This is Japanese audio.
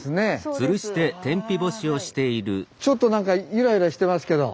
ちょっと何かゆらゆらしてますけど。